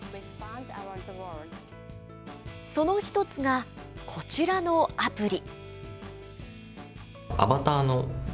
その１つがこちらのアプリ。